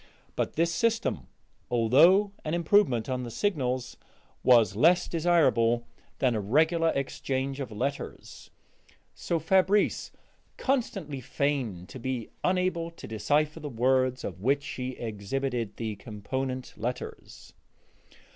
But this system, although an improvement on the signals, was less desirable than a regular exchange of letters, so Fabrice constantly feigned to be unable to decipher the words of which she exhibited the component letters.